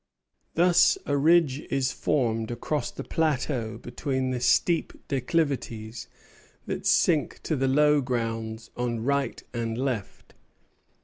Thus a ridge is formed across the plateau between the steep declivities that sink to the low grounds on right and left.